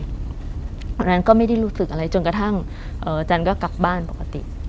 วันนั้นก็ไม่ได้รู้สึกอะไรจนกระทั่งจันก็กลับบ้านปกติ